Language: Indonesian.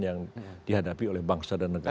yang dihadapi oleh bangsa dan negara